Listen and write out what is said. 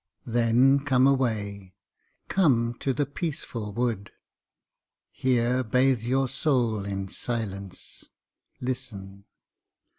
Then come away, come to the peaceful wood, Here bathe your soul in silence. Listen!